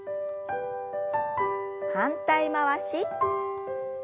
反対回し。